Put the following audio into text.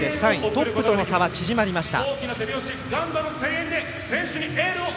トップとの差は縮まりました。